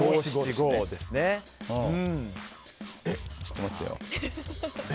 ちょっと待ってよ。